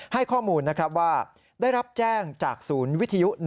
ให้ข้อมูลว่าได้รับแจ้งจากศูนย์วิทยุ๑๖๖๙